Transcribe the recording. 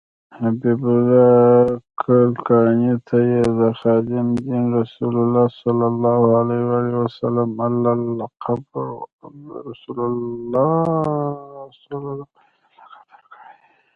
حبیب الله کلکاني ته یې د خادم دین رسول الله لقب ورکړ.